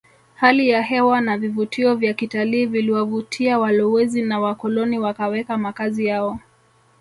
Hali ya hewa na vivutio vya kitalii viliwavutia walowezi na wakoloni wakaweka makazi yao